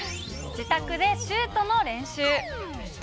自宅でシュートの練習。